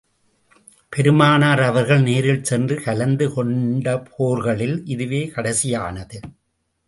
பெருமானார் அவர்கள் நேரில் சென்று கலந்து கொண்ட போர்களில் இதுவே கடைசியானது.